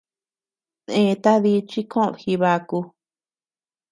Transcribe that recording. Nèta dí chi koʼöd Jibaku.